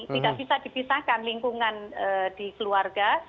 tidak bisa dipisahkan lingkungan di keluarga